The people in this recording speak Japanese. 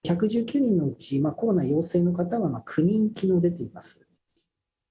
１１９人のうちコロナ陽性の方は９人きのう出ています。